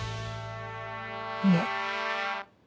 いえ。